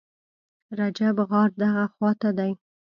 رجیب، غار دغه خواته دی.